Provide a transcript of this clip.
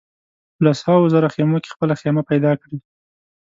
په لسهاوو زره خېمو کې خپله خېمه پیدا کړي.